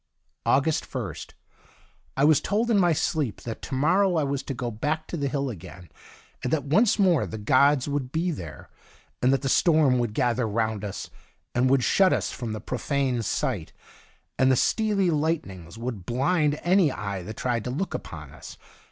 August 1st. — I was told in my sleep that to morrow I was to go back to the hill again, and that once more the gods would be there, and that the storm would gather round us, and would shut us from profane sight, and the steely light nings would blind any eye that tried to look upon us.